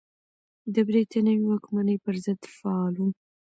د بریتانوي واکمنۍ پر ضد فعال و.